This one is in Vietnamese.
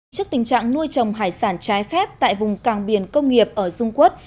trước tình trạng nuôi trồng hải sản trái phép tại vùng càng biển công nghiệp ở dung quốc